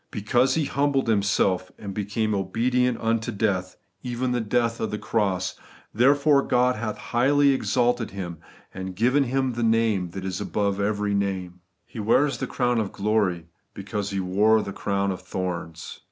Because He humbled Himself, and became obedient unto death, even the death of 60 The EverlcLSting Bighteousness. the cross^ therefore God hath highly exalted Him, and given Him the name that is above every nama He wears the crown of glory, because He wore the crown of thorns.